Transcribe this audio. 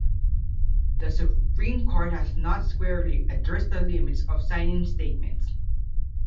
The Supreme Court has not squarely addressed the limits of signing statements.